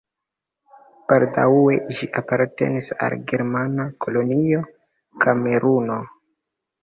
Baldaŭe ĝi apartenis al germana kolonio Kameruno.